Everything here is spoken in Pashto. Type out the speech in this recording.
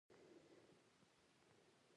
پابندی غرونه د افغانستان د کلتوري میراث برخه ده.